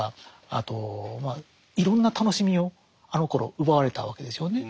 あとまあいろんな楽しみをあのころ奪われたわけですよね。